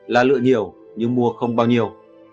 là lựa nhiều nhưng mua không bao nhiêu